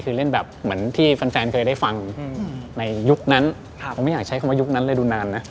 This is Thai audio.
คือเล่นแบบเหมือนที่แฟนเคยได้ฟังในยุคนั้นผมไม่อยากใช้คำว่ายุคนั้นเลยดูนานนะ